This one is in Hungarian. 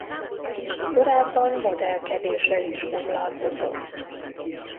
Korábban modellkedéssel is foglalkozott.